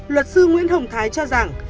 luật sư nguyễn hồng thái cho rằng